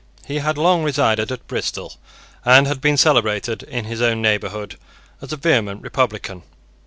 He had long resided at Bristol, and had been celebrated in his own neighbourhood as a vehement republican.